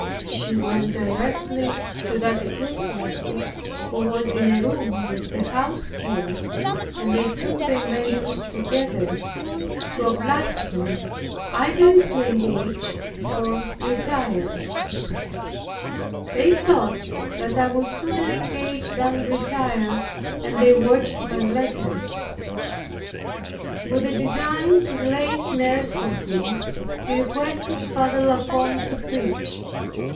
She went directly to that ecclesiastic, who was in a room with the house steward; and they took their measures together, to oblige me either to engage or retire. They thought that I would sooner engage than retire, and they watched my letters. With a design to lay snares for him, he requested Father La Combe to preach.